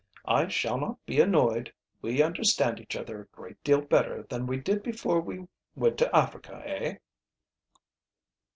"I shall not be annoyed. We understand each other a great deal better than we did before we went to Africa, eh?"